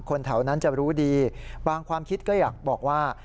แถวนั้นจะรู้ดีบางความคิดก็อยากบอกว่า